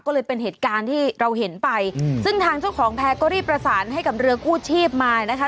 ก็เลยเป็นเหตุการณ์ที่เราเห็นไปซึ่งทางเจ้าของแพร่ก็รีบประสานให้กับเรือกู้ชีพมานะคะ